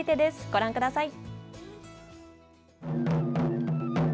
ご覧ください。